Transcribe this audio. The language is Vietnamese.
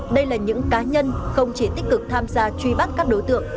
đây là những cá nhân không chỉ tích cực tham gia truy bắt các đối tượng